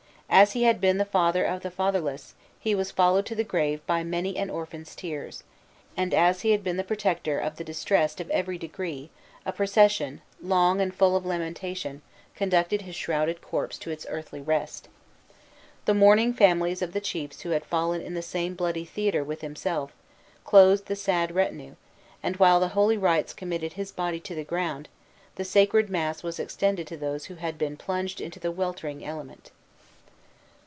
As he had been the father of the fatherless, he was followed to the grave by many an orphan's tears; and as he had been the protector of the distressed of every degree, a procession, long and full of lamentation, conducted his shrouded corpse to its earthly rest. The mourning families of the chiefs who had fallen in the same bloody theater with himself, closed the sad retinue; and while the holy rites committed his body to the ground, the sacred mass was extended to those who had been plunged into the weltering element.